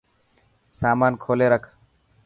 سامان کولي رک.